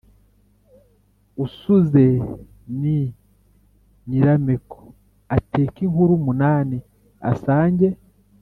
« usuze ni nyirameko/ ateke inkuru munani/ asange